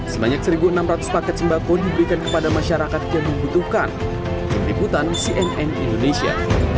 semanyak seribu enam ratus paket sembako diberikan kepada masyarakat yang membutuhkan ikutan cnn indonesia